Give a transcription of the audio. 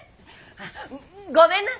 あごめんなさい。